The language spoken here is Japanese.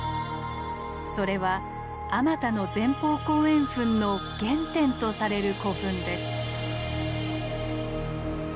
それはあまたの前方後円墳の原点とされる古墳です。